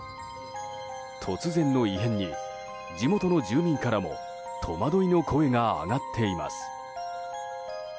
突然の異変に地元の住民からも戸惑いの声が上がっています。